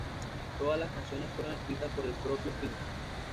Todas las canciones fueron escritas por el propio Prince.